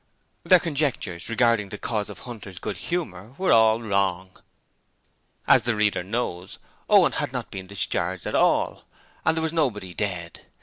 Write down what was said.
Their conjectures regarding the cause of Hunter's good humour were all wrong. As the reader knows, Owen had not been discharged at all, and there was nobody dead.